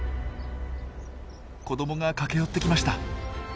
子どもが駆け寄ってきました。